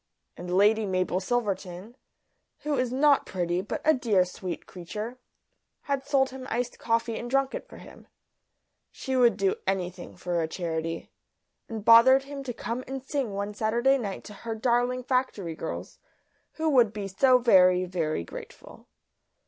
And Lady Mabel Silverton, who is not pretty but a dear sweet creature, had sold him iced coffee and drunk it for him she would do anything for a charity and bothered him to come and sing one Saturday night to her darling factory girls, who would be so very, very grateful.